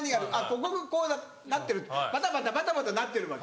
ここがこうなってるってバタバタバタバタなってるわけ。